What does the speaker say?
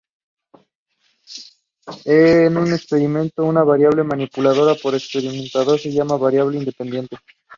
En un experimento, una variable, manipulada por un experimentador, se llama variable independiente.